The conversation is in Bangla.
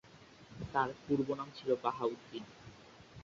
তাঁর পূর্বনাম ছিল বাহাউদ্দিন।